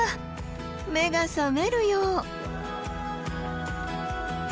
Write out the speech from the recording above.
目が覚めるよう。